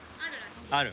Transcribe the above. ある。